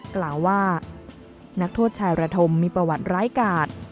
กล่าวว่านักโทษชายระธมมีประวัติร้ายกาด